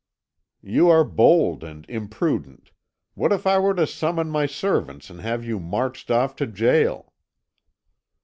"You are bold and impudent. What if I were to summon my servants and have you marched off to gaol?"